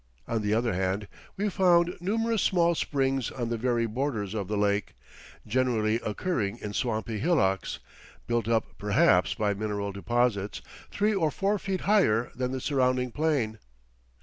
On the other hand, we found numerous small springs on the very borders of the lake, generally occurring in swampy hillocks built up perhaps by mineral deposits three or four feet higher than the surrounding plain.